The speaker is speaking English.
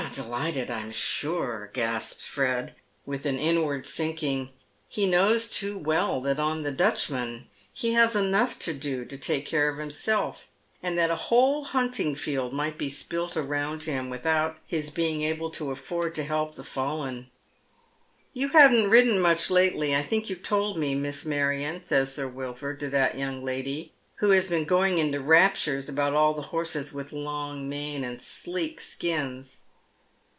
" Delighted, I'm sure," gasps Fred, with an inward sinking. He knows too well that on the Dutchman he has enough to do to take care of himself, and that a whole hunting field might bo spilt around him without his being able to afford help to the fallen. " You haven't ridden much lately, I think you told me. Miss I\Iarion, says Sir Wilford to that young lady, who has been going into raptures about all the horses wth long manes and sleek ekins.